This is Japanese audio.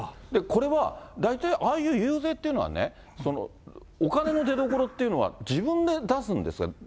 これは、大体ああいう遊説っていうのはね、お金の出どころっていうのは自分で出すんですか。